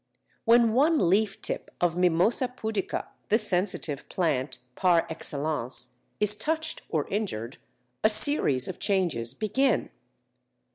When one leaf tip of Mimosa pudica, the Sensitive Plant (par excellence), is touched or injured, a series of changes begin.